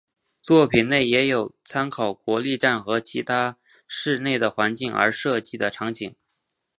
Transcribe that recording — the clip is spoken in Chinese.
作品内也有参考国立站和其他市内的环境而设计的场景。